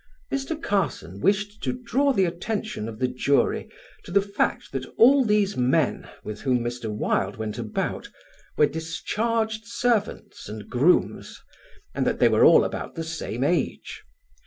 Mr. Carson wished to draw the attention of the jury to the fact that all these men with whom Mr. Wilde went about were discharged servants and grooms, and that they were all about the same age.